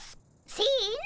せの。